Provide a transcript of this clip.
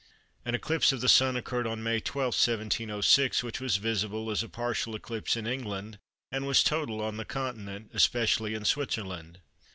An eclipse of the Sun occurred on May 12, 1706, which was visible as a partial eclipse in England and was total on the Continent, especially in Switzerland.